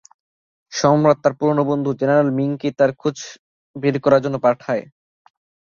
সম্রাট তার পুরনো বন্ধু, জেনারেল মিংকে তার খোঁজ বের করার জন্য পাঠায়।